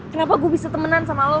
kenapa gue bisa temenan sama lo